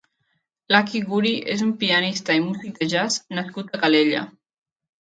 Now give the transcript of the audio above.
Lucky Guri és un pianista i músic de jazz nascut a Calella.